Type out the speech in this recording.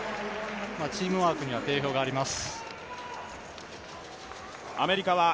チームワークには定評があります。